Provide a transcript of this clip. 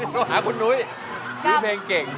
โทรหาคุณนุ้ยมีเพลงเก่ง